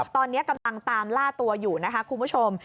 ตอนนี้กำลังตามล่าตัวอยู่นะคะคุณผู้ชม